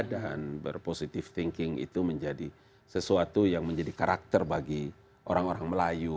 dan berpositif thinking itu menjadi sesuatu yang menjadi karakter bagi orang orang melayu